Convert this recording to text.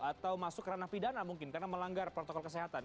atau masuk ranah pidana mungkin karena melanggar protokol kesehatan